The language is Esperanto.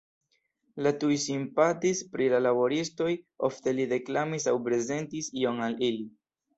Li tuj simpatiis pri la laboristoj, ofte li deklamis aŭ prezentis ion al ili.